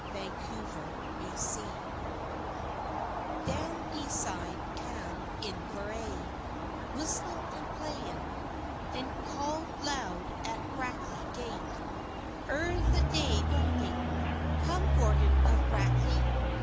GORDON OF BRACKLEY DOWN Deeside cam Inveraye Whistlin' and playing, An' called loud at Brackley gate Ere the day dawning— "Come, Gordon of Brackley.